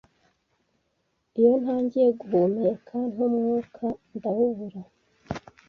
Iyo ntangiye guhumeka ntumwuka ndawubura